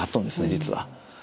実は。